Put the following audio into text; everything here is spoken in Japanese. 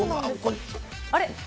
あれ？